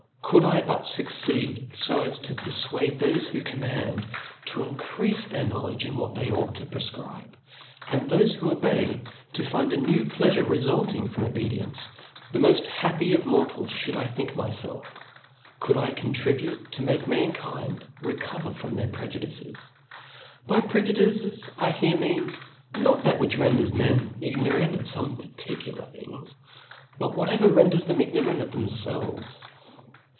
, Could I butfucceed fo as to pcrfuade thofe who command, to increafe their kpowle^ge in what they ought to prefcribe.; ^nd thofe who obey, to find a new pleafure refultjng from obedience ; I (hould think myfelf the moft happy pf. mortals. The moll jiappy of mortals (hotild I think tnyklf, could Icontribiite tomakc rpa^kind recover from their prejudices. By prq indices, I here nacan, rtot that which renders; m?n ig norant of fome particular things, but whatever renders tbem ignorant of thcpfelvcj.